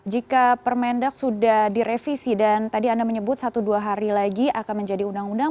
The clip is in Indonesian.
jika permendak sudah direvisi dan tadi anda menyebut satu dua hari lagi akan menjadi undang undang